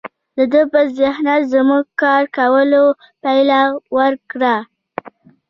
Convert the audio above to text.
د ده پر ذهنیت زموږ کار کولو پایله ورکړه